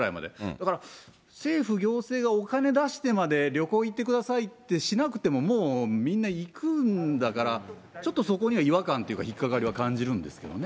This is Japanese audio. だから、政府、行政がお金出してまで旅行行ってくださいってしなくても、もう、みんな行くんだから、ちょっとそこには違和感というか、引っかかりは感じるんですけどね。